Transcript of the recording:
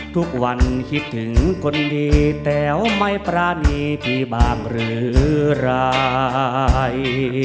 ทุกวันคิดถึงคนดีแต่ไม่ปรานีพี่บ้างหรือราย